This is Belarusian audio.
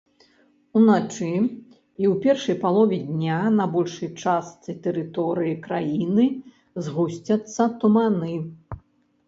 Уначы і ў першай палове дня на большай частцы тэрыторыі краіны згусцяцца туманы.